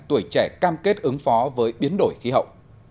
tuổi trẻ cam kết ứng phó với biến đổi khí hậu